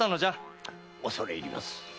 恐れ入ります。